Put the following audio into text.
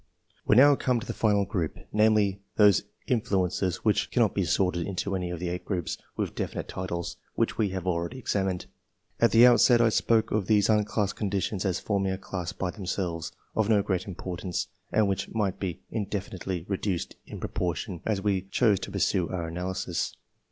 We now come to the final group, namely, those influences which cannot be sorted into any of the 8 groups with definite titles, which we have already examined. At the outset I spoke of these unclassed conditions as forming a class by themselves, of no great importance, and which might be indefinitely reduced in pro portion as we chose to pursue our analysis.